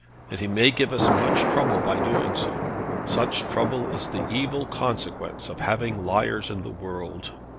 And he may give us much trouble by doing so. Such trouble is the evil consequence of having liars in the world."